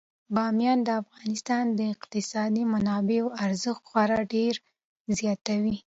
بامیان د افغانستان د اقتصادي منابعو ارزښت خورا ډیر زیاتوي.